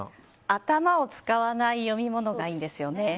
頭を使わない読み物がいいんですね。